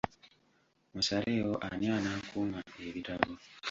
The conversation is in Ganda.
Musalewo ani anaakuuma ebitabo.